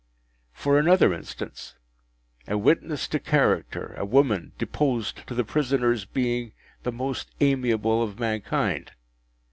For another instance: a witness to character, a woman, deposed to the prisoner’s being the most amiable of mankind.